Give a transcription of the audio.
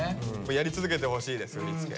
やり続けてほしいです振り付け。